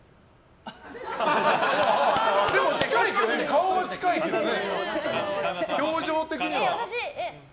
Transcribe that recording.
でも顔は近いけどね。